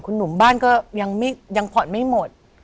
คุณหนุ่มบ้านก็ยังผ่อนไม่หมด